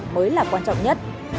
mới là quan trọng nhất